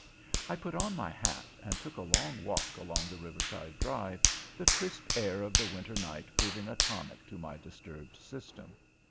I put on my hat and took a long walk along the Riverside Drive, the crisp air of the winter night proving a tonic to my disturbed system.